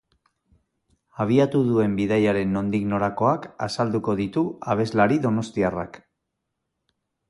Abiatu duen bidaiaren nondik norakoak azalduko ditu abeslari donostiarrak.